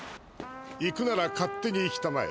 行くなら勝手に行きたまえ。